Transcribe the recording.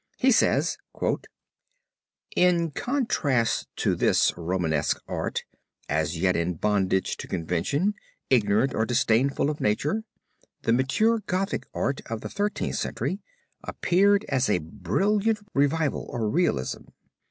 He says: "In contrast to this Romanesque art, as yet in bondage to convention, ignorant or disdainful of nature, the mature Gothic art of the Thirteenth Century appeared as a brilliant revival or realism.